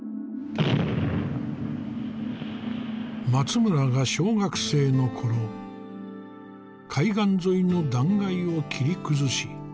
松村が小学生の頃海岸沿いの断崖を切り崩し